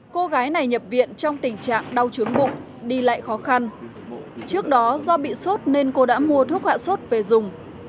cô gái này nhập viện trong tình trạng đau trướng bụng đi lại khó khăn trước đó do bị sốt nên cô đã mua thuốc hạ sốt về dùng